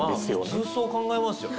普通そう考えますよね。